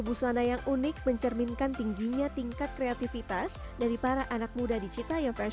terus ada yang unik mencerminkan tingginya tingkat kreativitas dari para anak muda di citaiem fashion week